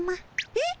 えっ？